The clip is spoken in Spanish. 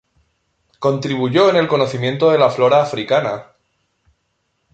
Contribuyó en el conocimiento de la flora africana.